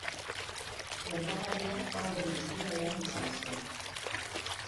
Gertakaria joan den ostiralean izan zen.